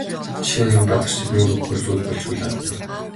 Жишээ нь энэ Бадарчид нүүр өгөхөөр сүйд болж хөл алдана.